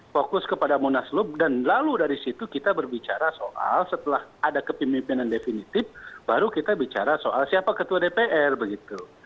fokus kepada munaslup dan lalu dari situ kita berbicara soal setelah ada kepemimpinan definitif baru kita bicara soal siapa ketua dpr begitu